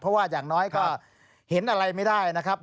เพราะว่าอย่างน้อยก็เห็นอะไรไม่ได้นะครับ